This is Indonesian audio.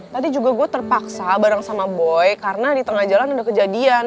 tadi juga gue terpaksa bareng sama boy karena di tengah jalan ada kejadian